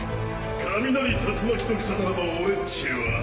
雷竜巻ときたならば俺っちは。